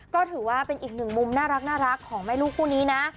ก็ถือว่าเป็นอีกหนึ่งมุมน่ารักของแม่ลูกคู่นี้นะ